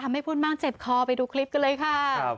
ไม่พูดมากเจ็บคอไปดูคลิปกันเลยค่ะ